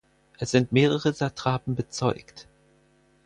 Es sind mehrere Satrapen bezeugt.